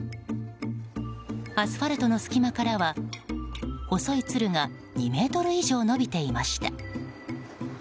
アスファルトの隙間からは細いつるが２ｍ以上伸びていました。